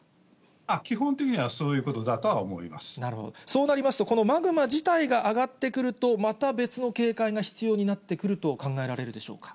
基本的にはそういうことだとそうなりますと、このマグマ自体が上がってくると、また別の警戒が必要になってくると考えられるでしょうか。